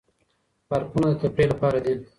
پارکونه د تفريح لپاره دي.